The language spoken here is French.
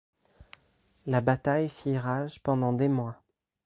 La bataille fit rage pendant des mois.